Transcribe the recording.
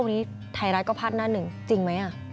วันนี้ไทยรัฐก็พาดหน้าหนึ่งจริงไหม